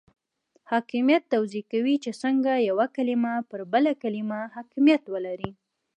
حاکمیت توضیح کوي چې څنګه یوه کلمه پر بله کلمه حاکمیت ولري.